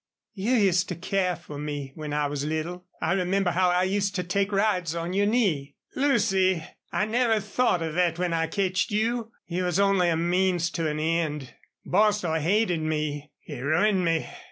"You used to care for me when I was little. I remember how I used to take rides on your knee." "Lucy, I never thought of thet when I ketched you. You was only a means to an end. Bostil hated me. He ruined me.